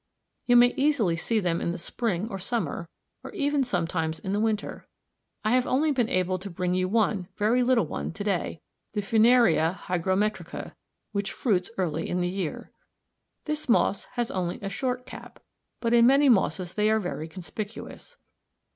You may easily see them in the spring or summer, or even sometimes in the winter. I have only been able to bring you one very little one to day, the Funaria hygrometrica, which fruits early in the year. This moss has only a short cap, but in many mosses they are very conspicuous.